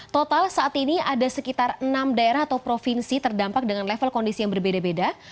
total saat ini ada sekitar enam daerah atau provinsi terdampak dengan level kondisi yang berbeda beda